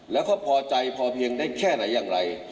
แล้วเขาพอใจหรือพอเพียงได้แค่ไหนยังไง